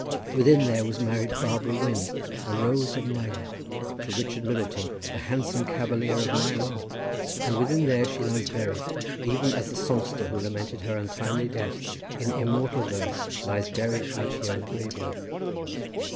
Within there was married Barbara Wynn, the Rose of Maelai, to Richard Middleton, the handsome cavalier of Maelor, and within there she lies buried, even as the songster who lamented her untimely death in immortal verse lies buried out here in the graveyard.